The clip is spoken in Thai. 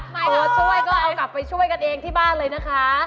ตัวช่วยก็เอากลับไปช่วยกันเองที่บ้านเลยนะคะ